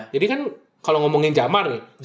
jadi kan kalau ngomongin jamar nih